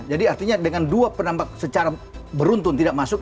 jadi artinya dengan dua penampak secara beruntun tidak masuk